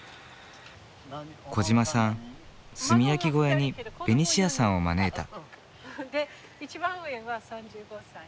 小嶋さん炭焼き小屋にベニシアさんを招いた。